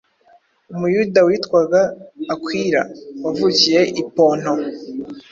Umuyuda witwaga Akwila, wavukiye i Ponto,